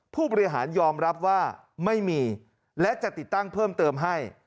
ผู้บริหารยอมรับว่าไม่มีและจะติดตั้งเพิ่มเติมให้